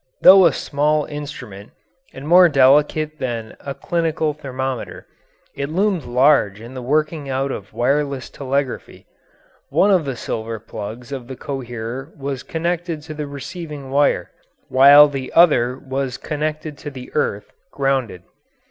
Though a small instrument, and more delicate than a clinical thermometer, it loomed large in the working out of wireless telegraphy. One of the silver plugs of the coherer was connected to the receiving wire, while the other was connected to the earth (grounded).